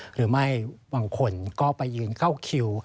หรือไม่บางคนก็ไปยืนเข้าคิว